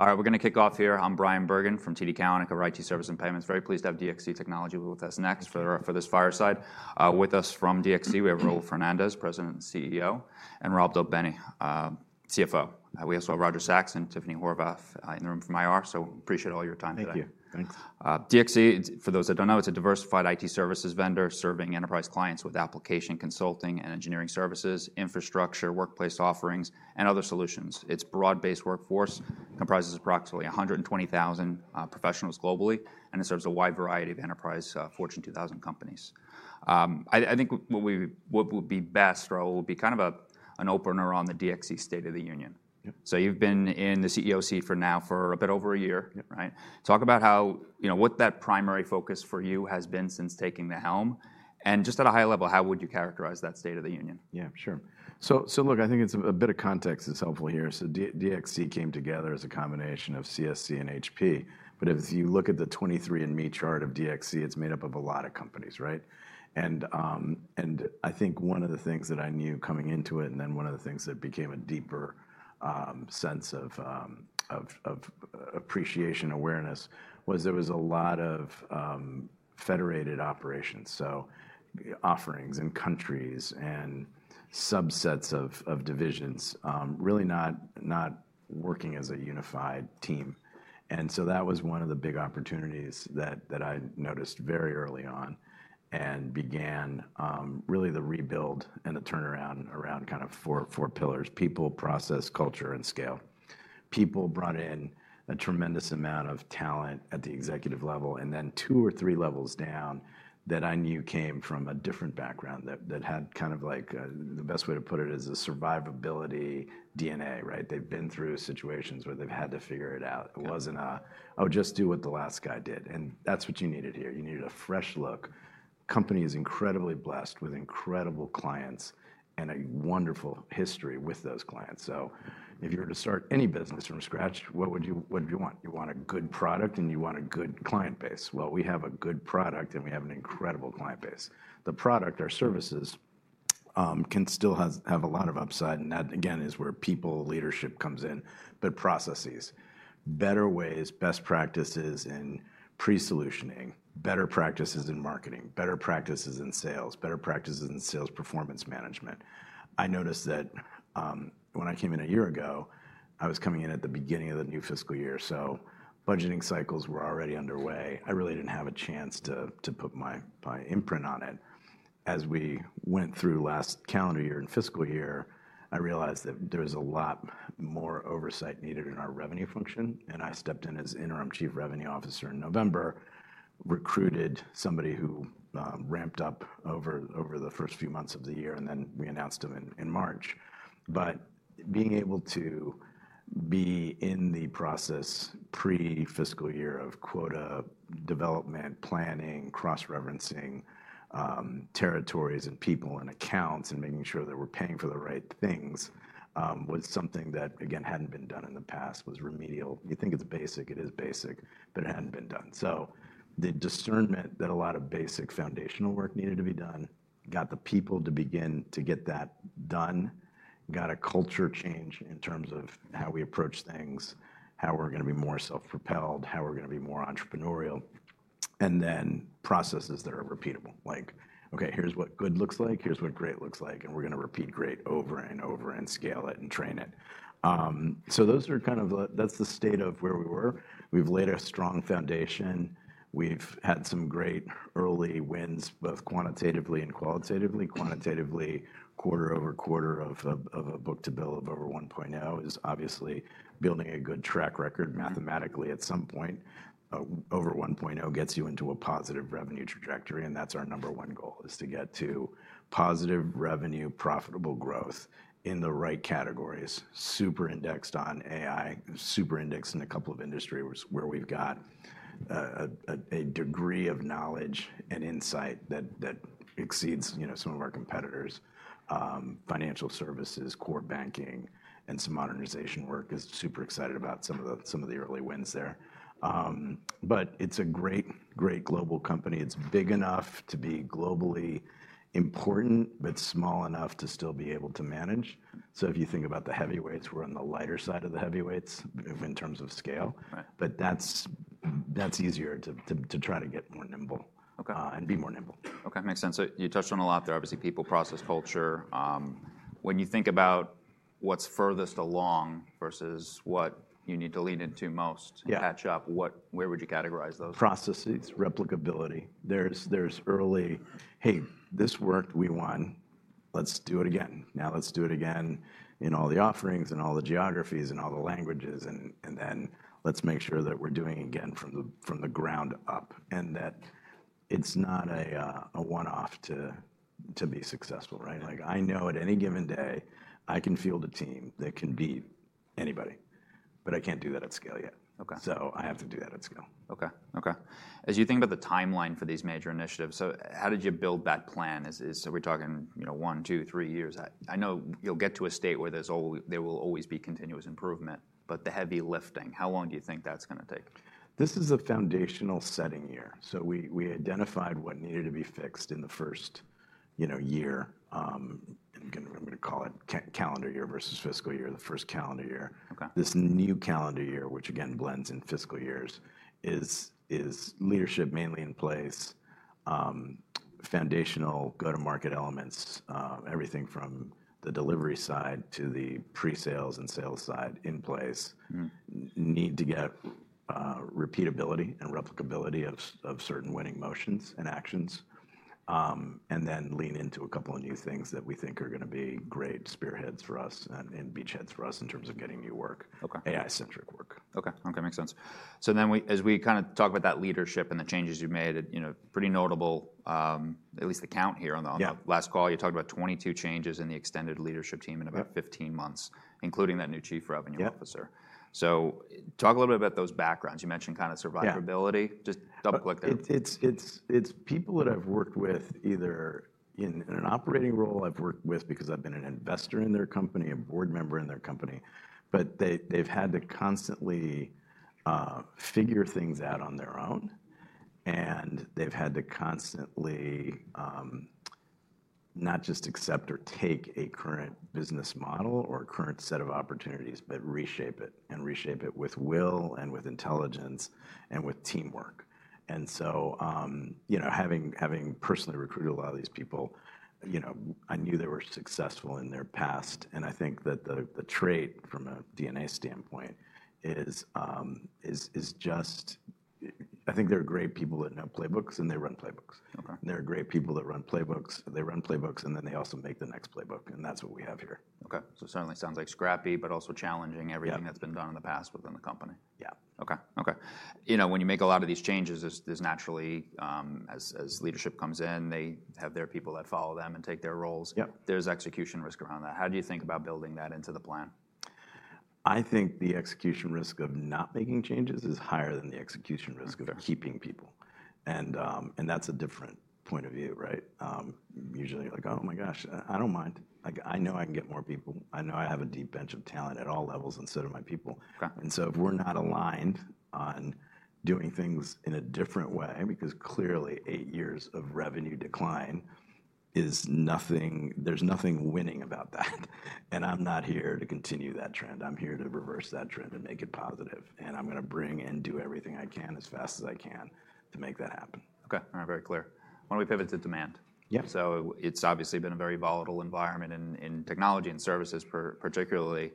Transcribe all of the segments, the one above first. All right, we're going to kick off here. I'm Brian Bergen from TD Cowen, Services and Payments. Very pleased to have DXC Technology with us next for this fireside. With us from DXC, we have Raul Fernandez, President and CEO, and Rob Del Bene, CFO. We also have Roger Sachs and Tiffany Horvath in the room from IR, so appreciate all your time today. Thank you. Thanks. DXC, for those that don't know, it's a diversified IT services vendor serving enterprise clients with application consulting and engineering services, infrastructure, workplace offerings, and other solutions. Its broad-based workforce comprises approximately 120,000 professionals globally, and it serves a wide variety of enterprise Fortune 2000 companies. I think what would be best, Raul, would be kind of an opener on the DXC State of the Union. You have been in the CEO seat now for a bit over a year, right? Talk about how, you know, what that primary focus for you has been since taking the helm, and just at a high level, how would you characterize that State of the Union? Yeah, sure. I think it's a bit of context that's helpful here. DXC came together as a combination of CSC and HP, but if you look at the '23 and me chart of DXC, it's made up of a lot of companies, right? I think one of the things that I knew coming into it, and then one of the things that became a deeper sense of appreciation and awareness, was there was a lot of federated operations, so offerings and countries and subsets of divisions really not working as a unified team. That was one of the big opportunities that I noticed very early on and began really the rebuild and the turnaround around kind of four pillars: people, process, culture, and scale. People brought in a tremendous amount of talent at the executive level, and then two or three levels down that I knew came from a different background that had kind of like, the best way to put it is a survivability DNA, right? They've been through situations where they've had to figure it out. It was not a, oh, just do what the last guy did, and that's what you needed here. You needed a fresh look. The company is incredibly blessed with incredible clients and a wonderful history with those clients. If you were to start any business from scratch, what would you want? You want a good product and you want a good client base. We have a good product and we have an incredible client base. The product, our services, can still have a lot of upside, and that again is where people, leadership comes in, but processes. Better ways, best practices in pre-solutioning, better practices in marketing, better practices in sales, better practices in sales performance management. I noticed that when I came in a year ago, I was coming in at the beginning of the new fiscal year, so budgeting cycles were already underway. I really did not have a chance to put my imprint on it. As we went through last calendar year and fiscal year, I realized that there was a lot more oversight needed in our revenue function, and I stepped in as interim Chief Revenue Officer in November, recruited somebody who ramped up over the first few months of the year, and then we announced him in March. Being able to be in the process pre-fiscal year of quota development, planning, cross-referencing territories and people and accounts and making sure that we're paying for the right things was something that, again, hadn't been done in the past, was remedial. You think it's basic, it is basic, but it hadn't been done. The discernment that a lot of basic foundational work needed to be done, got the people to begin to get that done, got a culture change in terms of how we approach things, how we're going to be more self-propelled, how we're going to be more entrepreneurial, and then processes that are repeatable, like, okay, here's what good looks like, here's what great looks like, and we're going to repeat great over and over and scale it and train it. Those are kind of, that's the state of where we were. We've laid a strong foundation. We've had some great early wins, both quantitatively and qualitatively. Quantitatively, quarter-over-quarter of a book to bill of over 1.0 is obviously building a good track record mathematically at some point. Over 1.0 gets you into a positive revenue trajectory, and that's our number one goal, is to get to positive revenue, profitable growth in the right categories, super indexed on AI, super indexed in a couple of industries where we've got a degree of knowledge and insight that exceeds, you know, some of our competitors. Financial services, core banking, and some modernization work is super excited about some of the early wins there. It's a great, great global company. It's big enough to be globally important, but small enough to still be able to manage. If you think about the heavyweights, we're on the lighter side of the heavyweights in terms of scale, but that's easier to try to get more nimble and be more nimble. Okay, makes sense. You touched on a lot there. Obviously, people, process, culture. When you think about what's furthest along versus what you need to lean into most and catch up, where would you categorize those? Processes, replicability. There is early, hey, this worked, we won, let's do it again. Now let's do it again in all the offerings and all the geographies and all the languages, and then let's make sure that we are doing it again from the ground up and that it is not a one-off to be successful, right? Like I know at any given day I can field a team that can beat anybody, but I cannot do that at scale yet. I have to do that at scale. Okay, okay. As you think about the timeline for these major initiatives, how did you build that plan? We're talking, you know, one, two, three years. I know you'll get to a state where there will always be continuous improvement, but the heavy lifting, how long do you think that's going to take? This is a foundational setting year. We identified what needed to be fixed in the first, you know, year, I'm going to call it calendar year versus fiscal year, the first calendar year. This new calendar year, which again blends in fiscal years, is leadership mainly in place, foundational go-to-market elements, everything from the delivery side to the pre-sales and sales side in place. Need to get repeatability and replicability of certain winning motions and actions, and then lean into a couple of new things that we think are going to be great spearheads for us and beachheads for us in terms of getting new work, AI-centric work. Okay, okay, makes sense. As we kind of talk about that leadership and the changes you've made, you know, pretty notable, at least the count here on the last call, you talked about 22 changes in the extended leadership team in about 15 months, including that new Chief Revenue Officer. Talk a little bit about those backgrounds. You mentioned kind of survivability. Just double click there. It's people that I've worked with either in an operating role, I've worked with because I've been an investor in their company, a board member in their company, but they've had to constantly figure things out on their own, and they've had to constantly not just accept or take a current business model or current set of opportunities, but reshape it and reshape it with will and with intelligence and with teamwork. You know, having personally recruited a lot of these people, I knew they were successful in their past, and I think that the trait from a DNA standpoint is just, I think there are great people that know playbooks and they run playbooks. There are great people that run playbooks, they run playbooks, and then they also make the next playbook, and that's what we have here. Okay, so certainly sounds like scrappy, but also challenging everything that's been done in the past within the company. Yeah. Okay, okay. You know, when you make a lot of these changes, there's naturally, as leadership comes in, they have their people that follow them and take their roles. There's execution risk around that. How do you think about building that into the plan? I think the execution risk of not making changes is higher than the execution risk of keeping people, and that's a different point of view, right? Usually like, oh my gosh, I don't mind. I know I can get more people. I know I have a deep bench of talent at all levels instead of my people. And so if we're not aligned on doing things in a different way, because clearly eight years of revenue decline is nothing, there's nothing winning about that, and I'm not here to continue that trend. I'm here to reverse that trend and make it positive, and I'm going to bring and do everything I can as fast as I can to make that happen. Okay, all right, very clear. Why don't we pivot to demand? Yep. It's obviously been a very volatile environment in technology and services particularly.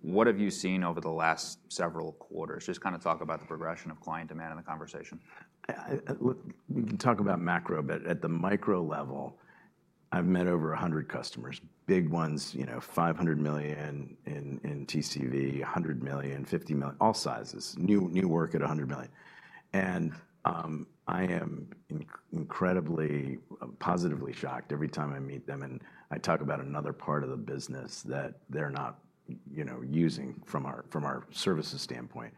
What have you seen over the last several quarters? Just kind of talk about the progression of client demand in the conversation. We can talk about macro, but at the micro level, I've met over a hundred customers, big ones, you know, $500 million in TCV, $100 million, $50 million, all sizes, new work at $100 million. I am incredibly positively shocked every time I meet them and I talk about another part of the business that they're not, you know, using from our services standpoint.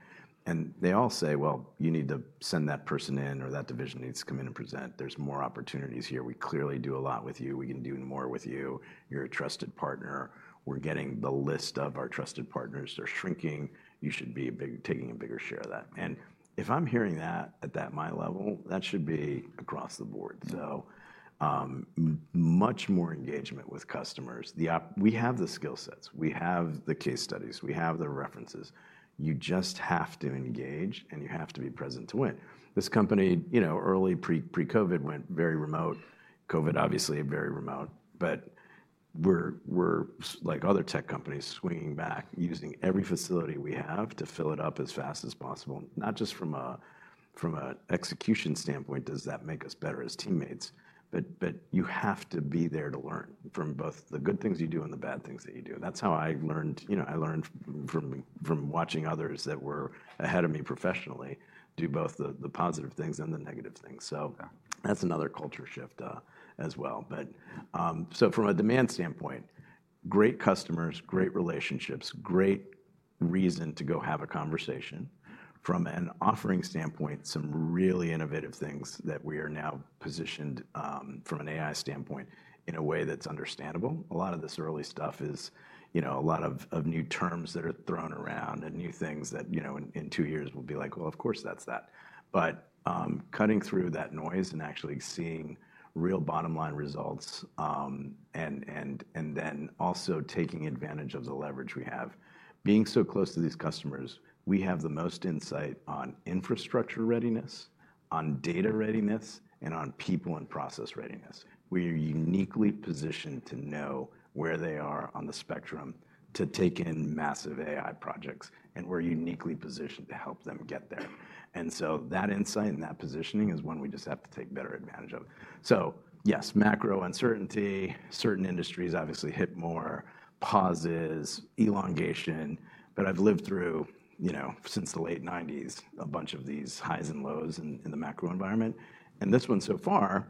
They all say, you need to send that person in or that division needs to come in and present. There's more opportunities here. We clearly do a lot with you. We can do more with you. You're a trusted partner. We're getting the list of our trusted partners. They're shrinking. You should be taking a bigger share of that. If I'm hearing that at my level, that should be across the board. So much more engagement with customers. We have the skill sets. We have the case studies. We have the references. You just have to engage and you have to be present to win. This company, you know, early pre-COVID went very remote. COVID obviously very remote, but we're like other tech companies swinging back, using every facility we have to fill it up as fast as possible, not just from an execution standpoint, does that make us better as teammates, but you have to be there to learn from both the good things you do and the bad things that you do. That's how I learned, you know, I learned from watching others that were ahead of me professionally do both the positive things and the negative things. That is another culture shift as well. From a demand standpoint, great customers, great relationships, great reason to go have a conversation. From an offering standpoint, some really innovative things that we are now positioned from an AI standpoint in a way that's understandable. A lot of this early stuff is, you know, a lot of new terms that are thrown around and new things that, you know, in two years we'll be like, well, of course that's that. Cutting through that noise and actually seeing real bottom line results and then also taking advantage of the leverage we have. Being so close to these customers, we have the most insight on infrastructure readiness, on data readiness, and on people and process readiness. We are uniquely positioned to know where they are on the spectrum to take in massive AI projects, and we're uniquely positioned to help them get there. That insight and that positioning is one we just have to take better advantage of. Yes, macro uncertainty, certain industries obviously hit more, pauses, elongation, but I've lived through, you know, since the late 1990s, a bunch of these highs and lows in the macro environment. This one so far,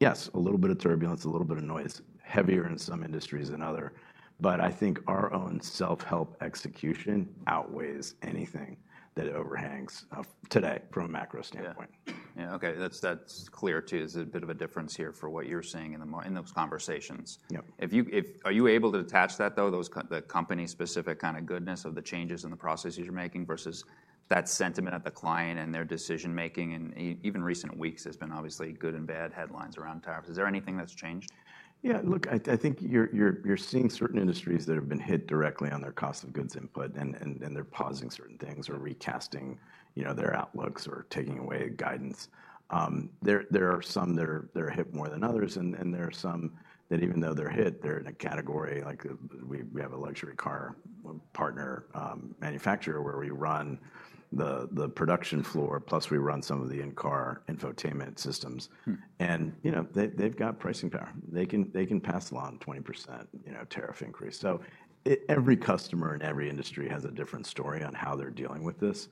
yes, a little bit of turbulence, a little bit of noise, heavier in some industries than other, but I think our own self-help execution outweighs anything that overhangs today from a macro standpoint. Yeah, okay, that's clear too. There's a bit of a difference here for what you're seeing in those conversations. Are you able to attach that though, the company-specific kind of goodness of the changes in the processes you're making versus that sentiment at the client and their decision-making? Even recent weeks has been obviously good and bad headlines around tariffs. Is there anything that's changed? Yeah, look, I think you're seeing certain industries that have been hit directly on their cost of goods input, and they're pausing certain things or recasting, you know, their outlooks or taking away guidance. There are some that are hit more than others, and there are some that even though they're hit, they're in a category like we have a luxury car partner manufacturer where we run the production floor, plus we run some of the in-car infotainment systems. You know, they've got pricing power. They can pass along 20% tariff increase. Every customer in every industry has a different story on how they're dealing with this.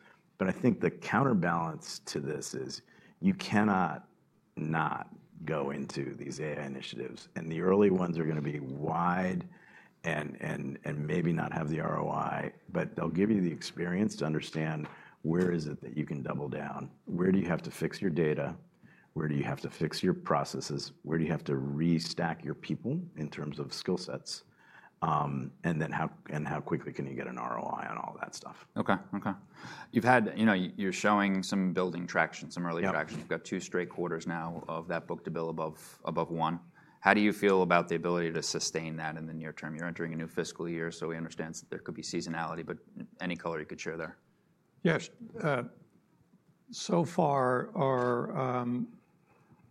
I think the counterbalance to this is you cannot not go into these AI initiatives, and the early ones are going to be wide and maybe not have the ROI, but they'll give you the experience to understand where is it that you can double down, where do you have to fix your data, where do you have to fix your processes, where do you have to restack your people in terms of skill sets, and then how quickly can you get an ROI on all that stuff. Okay, okay. You've had, you know, you're showing some building traction, some early traction. You've got two straight quarters now of that book to bill above one. How do you feel about the ability to sustain that in the near term? You're entering a new fiscal year, so we understand that there could be seasonality, but any color you could share there? Yes, so far are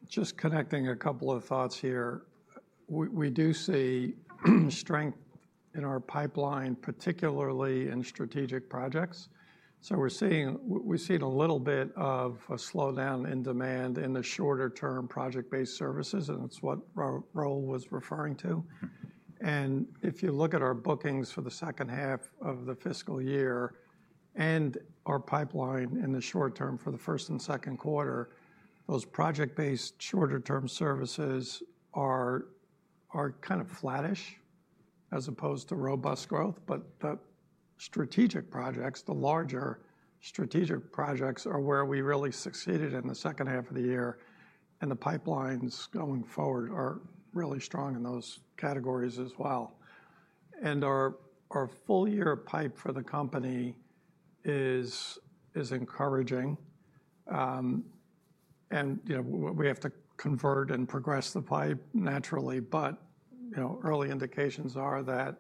just connecting a couple of thoughts here. We do see strength in our pipeline, particularly in strategic projects. We are seeing a little bit of a slowdown in demand in the shorter-term project-based services, and it is what Raul was referring to. If you look at our bookings for the second half of the fiscal year and our pipeline in the short term for the first and second quarter, those project-based shorter-term services are kind of flattish as opposed to robust growth, but the strategic projects, the larger strategic projects are where we really succeeded in the second half of the year, and the pipelines going forward are really strong in those categories as well. Our full-year pipe for the company is encouraging, and you know, we have to convert and progress the pipe naturally, but you know, early indications are that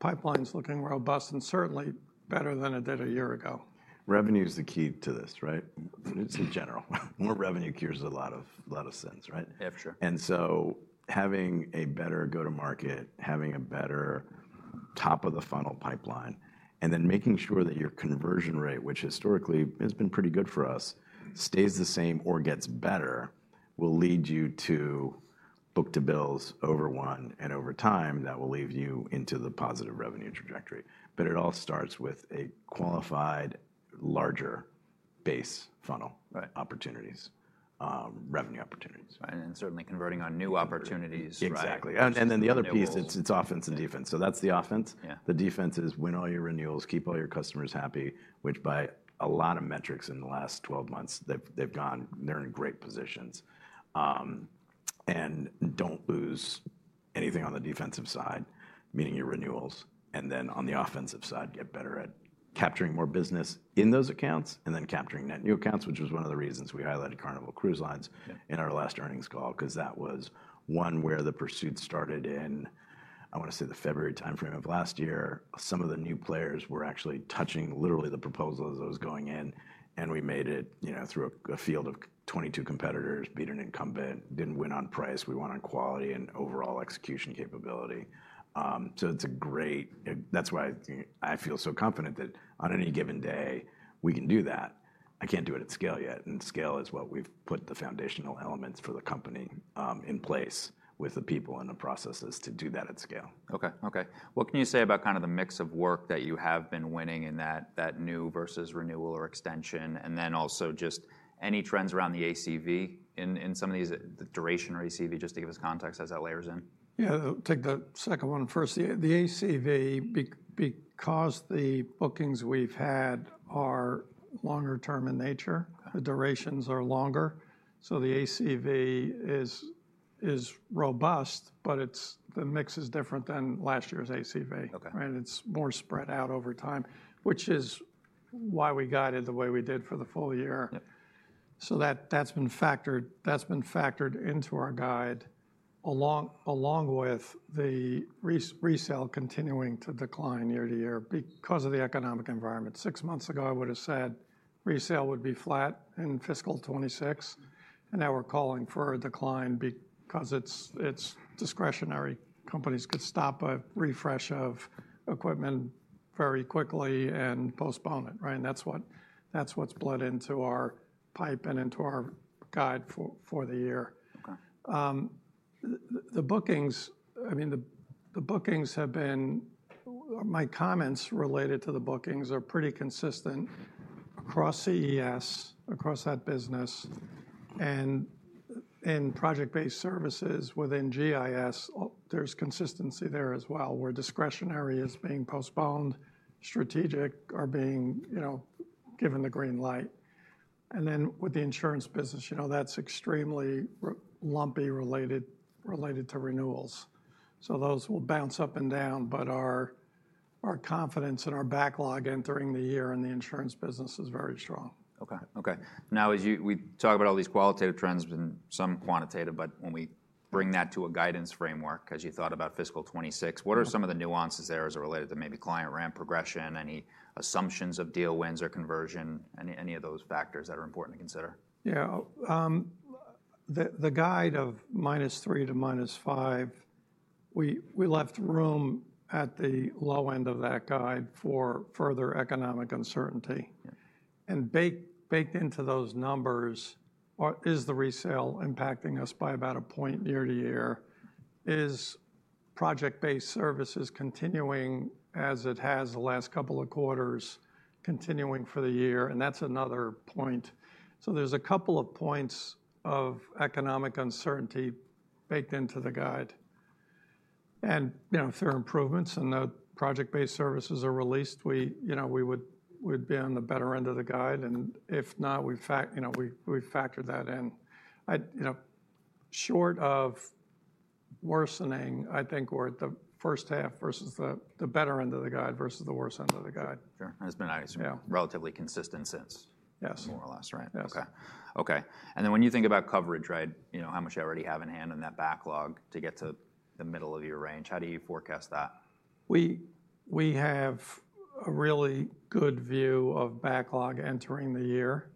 pipeline's looking robust and certainly better than it did a year ago. Revenue is the key to this, right? It's in general. More revenue cures a lot of sins, right? Having a better go-to-market, having a better top-of-the-funnel pipeline, and then making sure that your conversion rate, which historically has been pretty good for us, stays the same or gets better, will lead you to book to bills over one and over time that will lead you into the positive revenue trajectory. It all starts with a qualified larger base funnel opportunities, revenue opportunities. Certainly converting on new opportunities. Exactly. The other piece, it's offense and defense. That's the offense. The defense is win all your renewals, keep all your customers happy, which by a lot of metrics in the last 12 months, they've gone, they're in great positions. Do not lose anything on the defensive side, meaning your renewals. On the offensive side, get better at capturing more business in those accounts and then capturing net new accounts, which was one of the reasons we highlighted Carnival Cruise Lines in our last earnings call, because that was one where the pursuit started in, I want to say the February timeframe of last year. Some of the new players were actually touching literally the proposals that was going in, and we made it, you know, through a field of 22 competitors, beat an incumbent, did not win on price, we won on quality and overall execution capability. It is a great, that is why I feel so confident that on any given day we can do that. I cannot do it at scale yet, and scale is what we have put the foundational elements for the company in place with the people and the processes to do that at scale. Okay, okay. What can you say about kind of the mix of work that you have been winning in that new versus renewal or extension, and then also just any trends around the ACV in some of these, the duration or ACV, just to give us context as that layers in? Yeah, I'll take the second one first. The ACV, because the bookings we've had are longer term in nature, the durations are longer. The ACV is robust, but the mix is different than last year's ACV, right? It is more spread out over time, which is why we guided the way we did for the full year. That has been factored into our guide along with the resale continuing to decline year to year because of the economic environment. Six months ago, I would have said resale would be flat in fiscal 2026, and now we are calling for a decline because it is discretionary. Companies could stop a refresh of equipment very quickly and postpone it, right? That is what has bled into our pipe and into our guide for the year. The bookings, I mean, the bookings have been, my comments related to the bookings are pretty consistent across CES, across that business, and in project-based services within GIS, there's consistency there as well where discretionary is being postponed, strategic are being, you know, given the green light. With the insurance business, you know, that's extremely lumpy related to renewals. Those will bounce up and down, but our confidence and our backlog entering the year in the insurance business is very strong. Okay, okay. Now, as we talk about all these qualitative trends and some quantitative, but when we bring that to a guidance framework, as you thought about fiscal 2026, what are some of the nuances there as it related to maybe client ramp progression, any assumptions of deal wins or conversion, any of those factors that are important to consider? Yeah, the guide of minus 3% to minus 5%, we left room at the low end of that guide for further economic uncertainty. And baked into those numbers is the resale impacting us by about a point year to year. Is project-based services continuing as it has the last couple of quarters, continuing for the year? And that's another point. So there's a couple of points of economic uncertainty baked into the guide. And, you know, if there are improvements and the project-based services are released, we, you know, we would be on the better end of the guide. And if not, we factor that in. You know, short of worsening, I think we're at the first half versus the better end of the guide versus the worst end of the guide. Sure. It's been relatively consistent since, more or less, right? Yes. Okay, okay. When you think about coverage, right, you know, how much you already have in hand on that backlog to get to the middle of your range, how do you forecast that? We have a really good view of backlog entering the year.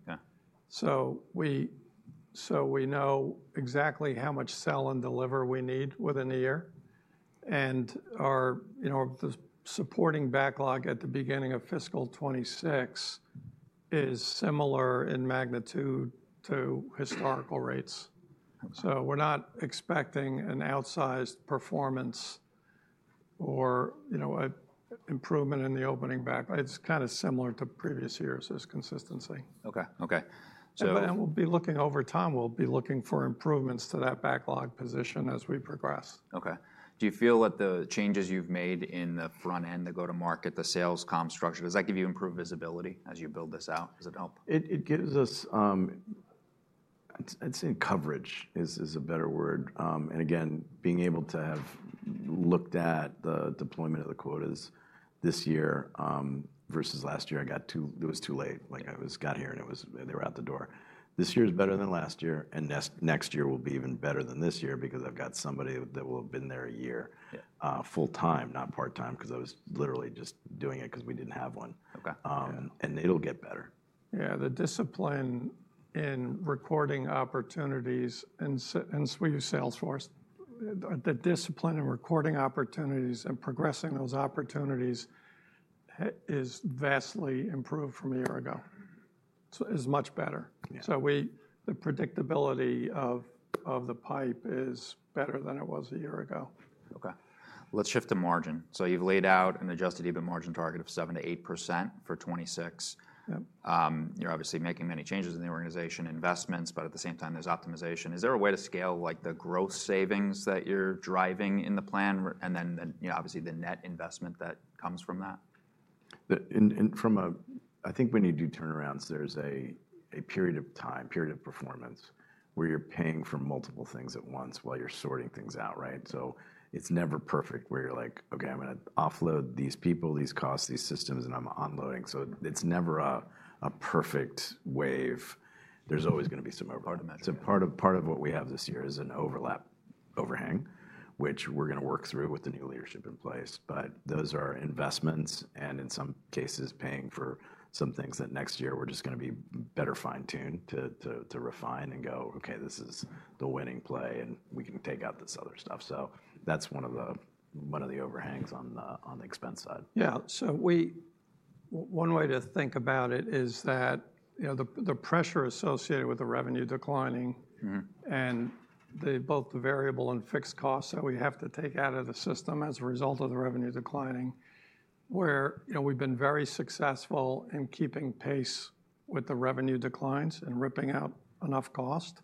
We know exactly how much sell and deliver we need within a year. Our, you know, the supporting backlog at the beginning of fiscal 2026 is similar in magnitude to historical rates. We are not expecting an outsized performance or, you know, an improvement in the opening backlog. It is kind of similar to previous years, this consistency. Okay, okay. We will be looking over time, we will be looking for improvements to that backlog position as we progress. Okay. Do you feel that the changes you've made in the front end, the go-to-market, the sales comp structure, does that give you improved visibility as you build this out? Does it help? It gives us, I'd say coverage is a better word. Again, being able to have looked at the deployment of the quotas this year versus last year, I got too, it was too late. Like I got here and they were out the door. This year is better than last year, and next year will be even better than this year because I've got somebody that will have been there a year full time, not part time, because I was literally just doing it because we didn't have one. It'll get better. Yeah, the discipline in recording opportunities, and we use Salesforce. The discipline in recording opportunities and progressing those opportunities is vastly improved from a year ago. It's much better. The predictability of the pipe is better than it was a year ago. Okay. Let's shift to margin. So you've laid out an adjusted EBIT margin target of 7-8% for 2026. You're obviously making many changes in the organization, investments, but at the same time there's optimization. Is there a way to scale like the gross savings that you're driving in the plan and then obviously the net investment that comes from that? From a. I think when you do turnarounds, there's a period of time, period of performance where you're paying for multiple things at once while you're sorting things out, right? It's never perfect where you're like, okay, I'm going to offload these people, these costs, these systems, and I'm unloading. It's never a perfect wave. There's always going to be some overlap. Part of what we have this year is an overlap overhang, which we're going to work through with the new leadership in place. Those are investments and in some cases paying for some things that next year we're just going to be better fine-tuned to refine and go, okay, this is the winning play and we can take out this other stuff. That's one of the overhangs on the expense side. Yeah, so one way to think about it is that, you know, the pressure associated with the revenue declining and both the variable and fixed costs that we have to take out of the system as a result of the revenue declining, where we've been very successful in keeping pace with the revenue declines and ripping out enough cost.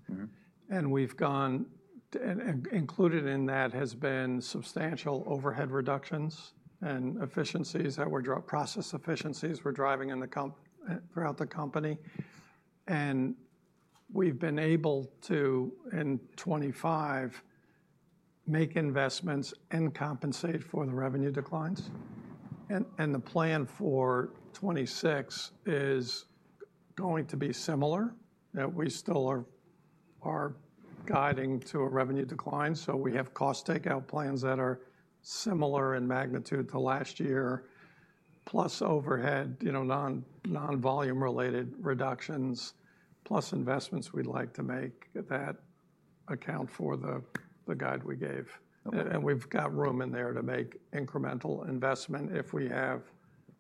Included in that has been substantial overhead reductions and efficiencies that are process efficiencies we're driving throughout the company. We've been able to in 2025 make investments and compensate for the revenue declines. The plan for 2026 is going to be similar. We still are guiding to a revenue decline. We have cost takeout plans that are similar in magnitude to last year, plus overhead, you know, non-volume related reductions, plus investments we'd like to make that account for the guide we gave. We have got room in there to make incremental investment if we have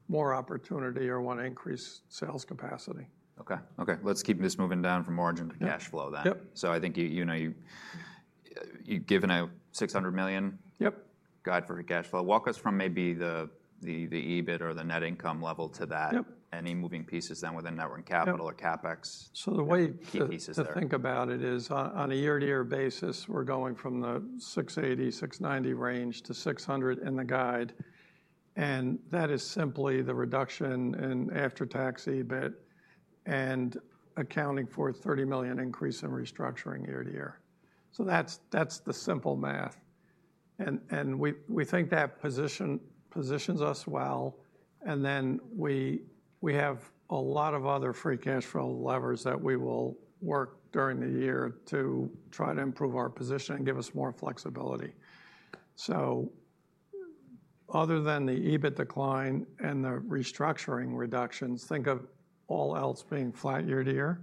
more opportunity or want to increase sales capacity. Okay, okay. Let's keep this moving down from margin to cash flow then. I think you know you've given a $600 million guide for cash flow. Walk us from maybe the EBIT or the net income level to that. Any moving pieces then within net working capital or CapEx? The way to think about it is on a year-to-year basis, we're going from the $680-$690 range to $600 in the guide. That is simply the reduction in after-tax EBIT and accounting for a $30 million increase in restructuring year-to-year. That is the simple math. We think that positions us well. We have a lot of other free cash flow levers that we will work during the year to try to improve our position and give us more flexibility. Other than the EBIT decline and the restructuring reductions, think of all else being flat year-to-year.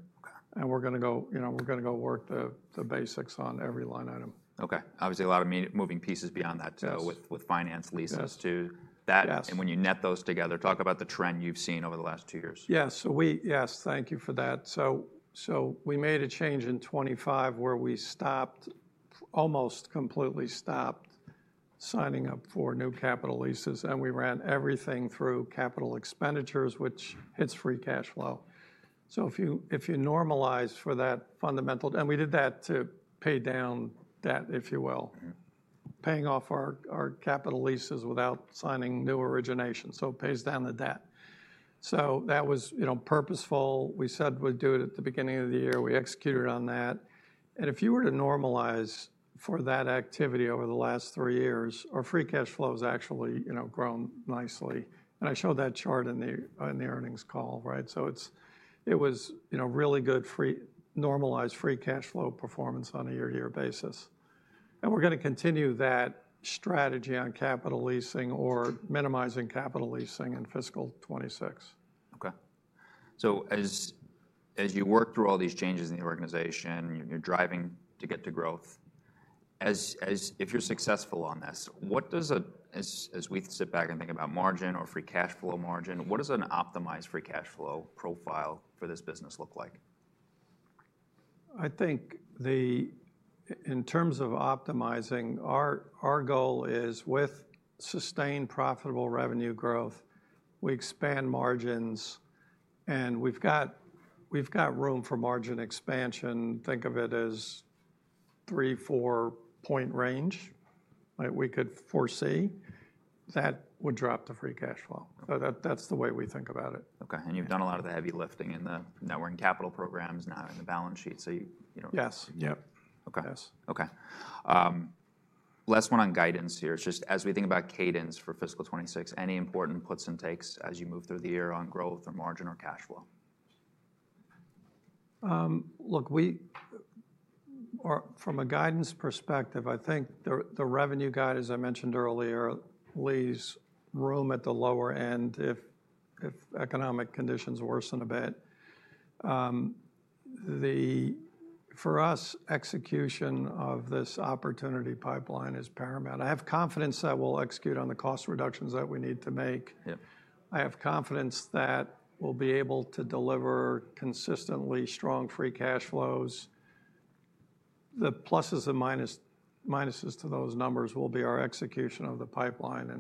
We're going to go, you know, we're going to go work the basics on every line item. Okay. Obviously, a lot of moving pieces beyond that with finance, leases too. That, and when you net those together, talk about the trend you've seen over the last two years. Yes, thank you for that. We made a change in 2025 where we stopped, almost completely stopped signing up for new capital leases. We ran everything through capital expenditures, which hits free cash flow. If you normalize for that fundamental, and we did that to pay down debt, if you will, paying off our capital leases without signing new origination. It pays down the debt. That was, you know, purposeful. We said we'd do it at the beginning of the year. We executed on that. If you were to normalize for that activity over the last three years, our free cash flow has actually, you know, grown nicely. I showed that chart in the earnings call, right? It was, you know, really good normalized free cash flow performance on a year-to-year basis. We're going to continue that strategy on capital leasing or minimizing capital leasing in fiscal 2026. Okay. As you work through all these changes in the organization, you're driving to get to growth. If you're successful on this, what does a, as we sit back and think about margin or free cash flow margin, what does an optimized free cash flow profile for this business look like? I think in terms of optimizing, our goal is with sustained profitable revenue growth, we expand margins and we've got room for margin expansion. Think of it as three- to four-point range, right? We could foresee that would drop the free cash flow. That's the way we think about it. Okay. You've done a lot of the heavy lifting in the networking capital programs, now in the balance sheet. You don't. Yes. Yes. Okay. Last one on guidance here is just as we think about cadence for fiscal 2026, any important puts and takes as you move through the year on growth or margin or cash flow? Look, from a guidance perspective, I think the revenue guide, as I mentioned earlier, leaves room at the lower end if economic conditions worsen a bit. For us, execution of this opportunity pipeline is paramount. I have confidence that we'll execute on the cost reductions that we need to make. I have confidence that we'll be able to deliver consistently strong free cash flows. The pluses and minuses to those numbers will be our execution of the pipeline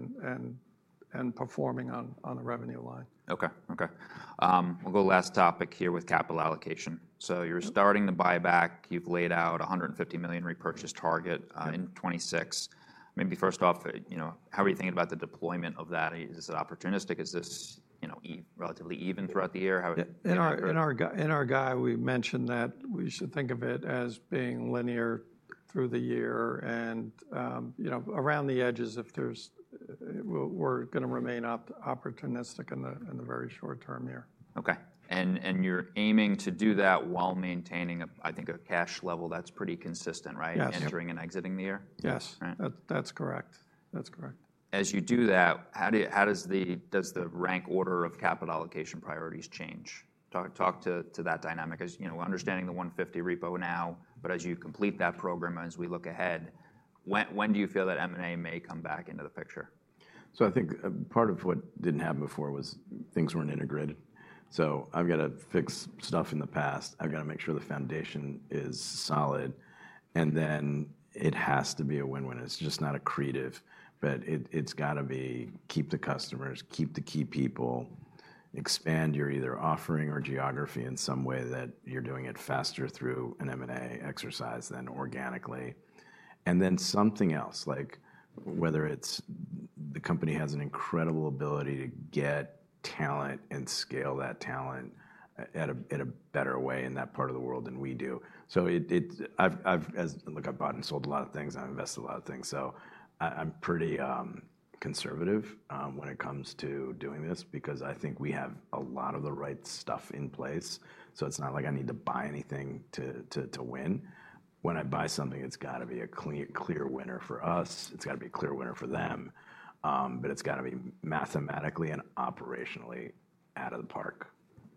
and performing on the revenue line. Okay, okay. We'll go to the last topic here with capital allocation. So you're starting the buyback. You've laid out a $150 million repurchase target in 2026. Maybe first off, you know, how are you thinking about the deployment of that? Is it opportunistic? Is this, you know, relatively even throughout the year? In our guide, we mentioned that we should think of it as being linear through the year. You know, around the edges, if there's, we're going to remain opportunistic in the very short term here. Okay. You're aiming to do that while maintaining, I think, a cash level that's pretty consistent, right? Yes. Entering and exiting the year? Yes. That's correct. That's correct. As you do that, how does the rank order of capital allocation priorities change? Talk to that dynamic. As you know, we're understanding the $150 million repo now, but as you complete that program, as we look ahead, when do you feel that M&A may come back into the picture? I think part of what did not happen before was things were not integrated. I have to fix stuff in the past. I have to make sure the foundation is solid. It has to be a win-win. It is just not accretive, but it has to keep the customers, keep the key people, expand your either offering or geography in some way that you are doing it faster through an M&A exercise than organically. Then something else, like whether it is the company has an incredible ability to get talent and scale that talent in a better way in that part of the world than we do. Look, I have bought and sold a lot of things. I have invested a lot of things. I am pretty conservative when it comes to doing this because I think we have a lot of the right stuff in place. It is not like I need to buy anything to win. When I buy something, it has got to be a clear winner for us. It has got to be a clear winner for them. It has got to be mathematically and operationally out of the park.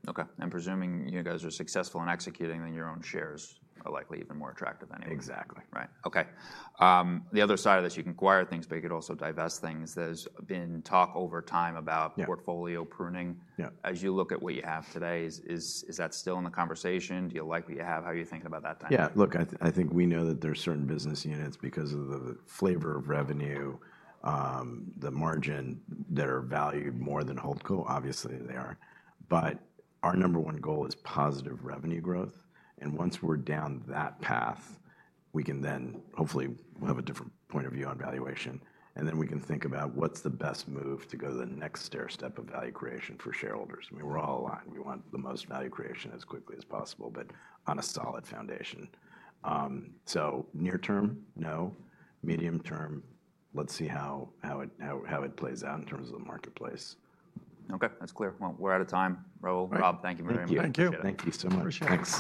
Okay. I'm presuming you guys are successful in executing then your own shares are likely even more attractive than anything. Exactly. Right. Okay. The other side of this, you can acquire things, but you could also divest things. There's been talk over time about portfolio pruning. As you look at what you have today, is that still in the conversation? Do you like what you have? How are you thinking about that dynamic? Yeah. Look, I think we know that there are certain business units because of the flavor of revenue, the margin that are valued more than Hultco. Obviously, they are. Our number one goal is positive revenue growth. Once we're down that path, we can then hopefully have a different point of view on valuation. Then we can think about what's the best move to go to the next stairstep of value creation for shareholders. I mean, we're all aligned. We want the most value creation as quickly as possible, but on a solid foundation. Near term, no. Medium term, let's see how it plays out in terms of the marketplace. Okay. That's clear. We're out of time, Raul. Rob, thank you very much. Thank you. Thank you so much.